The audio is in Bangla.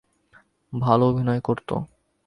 ভালো অভিনয় করত।